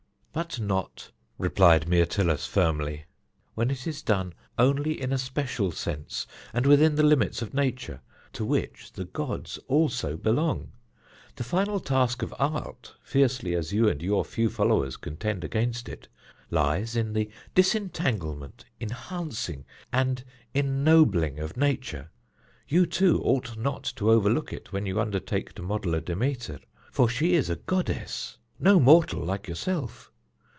"But not," replied Myrtilus firmly, "when it is done only in a special sense, and within the limits of Nature, to which the gods also belong. The final task of art, fiercely as you and your few followers contend against it, lies in the disentanglement, enhancing, and ennobling of Nature. You, too, ought not to overlook it when you undertake to model a Demeter; for she is a goddess, no mortal like yourself.